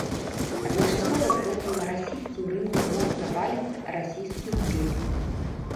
Адначасова з гэтым на расійскім рынку моцна валіцца расійскі рубель.